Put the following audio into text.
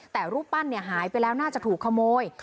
แต่รูปปั้นหายไปแล้วน่าจะถูกขโมย